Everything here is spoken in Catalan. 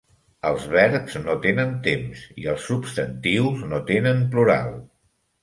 Els verbs no tenen temps, i els substantius no tenen plural.